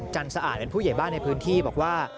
สะอาดเป็นผู้ใหญ่บ้านในพื้นที่บอกว่า